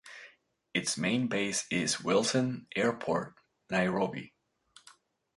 Its main base is Wilson Airport, Nairobi.